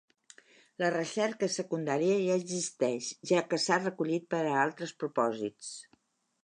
La recerca secundària ja existeix ja que s'ha recollit per a altres propòsits.